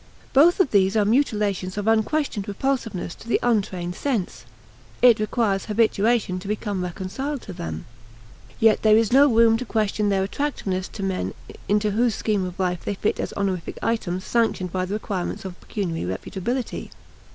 Both of these are mutilations of unquestioned repulsiveness to the untrained sense. It requires habituation to become reconciled to them. Yet there is no room to question their attractiveness to men into whose scheme of life they fit as honorific items sanctioned by the requirements of pecuniary reputability.